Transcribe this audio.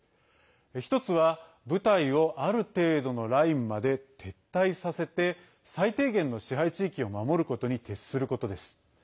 １つは、部隊をある程度のラインまで撤退させて最低限の支配地域を守ることに徹することです。